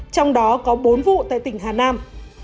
trong đó có bốn vụ tại tỉnh hà nam